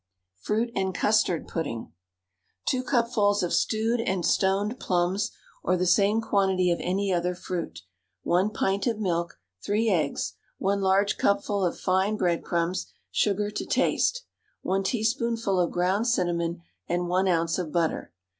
FRUIT AND CUSTARD PUDDING. 2 cupfuls of stewed and stoned plums (or the same quantity of any other fruit), 1 pint of milk, 3 eggs, 1 large cupful of fine breadcrumbs, sugar to taste, 1 teaspoonful of ground cinnamon, and 1 oz. of butter.